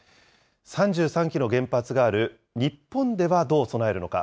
３３基の原発がある日本ではどう備えるのか。